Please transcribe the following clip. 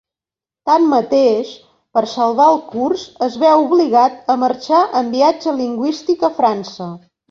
Tanmateix, per salvar el curs, es veu obligat a marxar en viatge lingüístic a França.